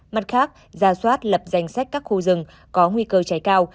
mặt khác ra soát lập danh sách các khu rừng có nguy cơ cháy cao